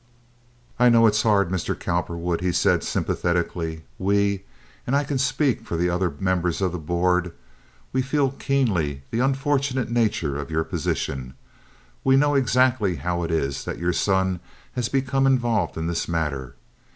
"I know it's hard, Mr. Cowperwood," he said, sympathetically. "We—and I can speak for the other members of the board—we feel keenly the unfortunate nature of your position. We know exactly how it is that your son has become involved in this matter.